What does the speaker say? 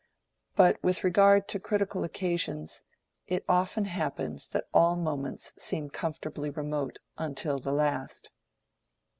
But with regard to critical occasions, it often happens that all moments seem comfortably remote until the last.